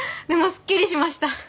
でもすっきりしました。